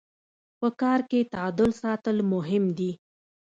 په کار کي تعادل ساتل مهم دي.